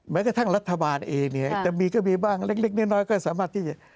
แม้สักทั้งรัฐบาลเอเนี่ยจะมีก็มีบ้างเล็กเล็กนึงน้อยก็สามารถที่